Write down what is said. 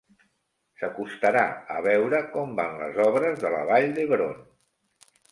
S'acostarà a veure com van les obres de la Vall d'Hebron.